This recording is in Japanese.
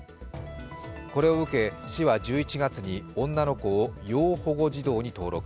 これを受け市は１１月に女の子を要保護児童に登録。